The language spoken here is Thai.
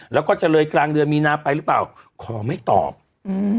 แล้วก็จะเลยกลางเดือนมีนาไปหรือเปล่าขอไม่ตอบอืม